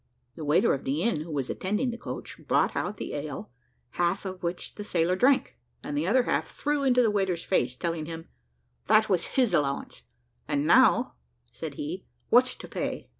The waiter of the inn, who was attending the coach, brought out the ale, half of which the sailor drank, and the other half threw into the waiter's face, telling him, "that was his allowance; and now," said he, "what's to pay?"